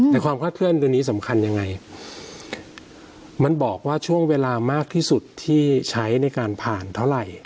แต่ความคลาดเคลื่อนตัวนี้สำคัญยังไงมันบอกว่าช่วงเวลามากที่สุดที่ใช้ในการผ่านเท่าไหร่